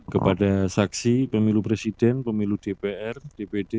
kepada saksi pemilu presiden pemilu dpr dpd